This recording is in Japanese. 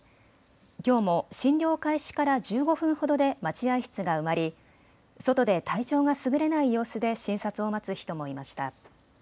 きょうも診療開始から１５分ほどで待合室が埋まり外で体調がすぐれない様子で診察を待つ人もいました。